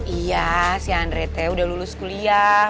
iya si andre tea udah lulus kuliah